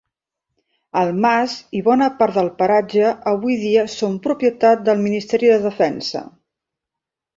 El mas i bona part del paratge avui dia són propietat del Ministeri de Defensa.